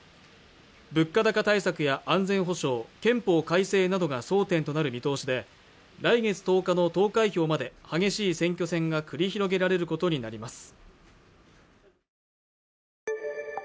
物価高対策や安全保障憲法改正などが争点となる見通しで来月１０日の投開票まで激しい選挙戦が繰り広げられることになります